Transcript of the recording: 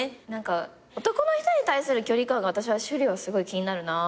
男の人に対する距離感が私は趣里はすごい気になるな。